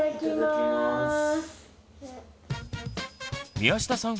宮下さん